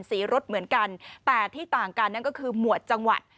สีรถเหมือนกันแต่ที่ต่างกันนั่นก็คือหมวดจังหวัด